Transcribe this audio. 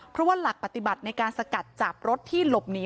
เพราะว่าหลักปฏิบัติในการสกัดจับรถที่หลบหนี